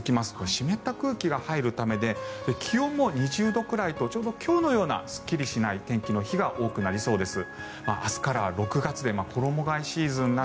湿った空気が入るためで気温も２０度くらいとちょうど今日のようなすっきりしない天気の日が多くなりそうです。